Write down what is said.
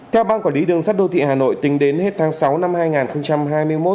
theo ban quản lý đường sắt đô thị hà nội tính đến hết tháng sáu năm hai nghìn hai mươi một